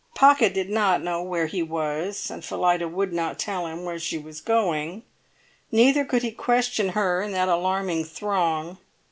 Pocket did not know where he was, and Phillida would not tell him where she was going, neither could he question her in that alarming throng.